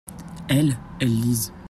elles, elles lisent.